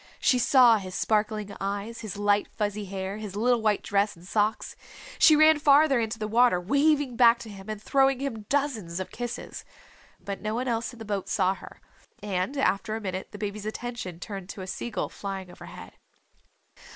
She saw his sparkling eyes, his light fuzzy hair, his little white dress and socks. She ran farther into the water, waving back to him and throwing him dozens of kisses. But no one else in the boat saw her, and after a minute the baby's attention turned to a sea gull flying overhead.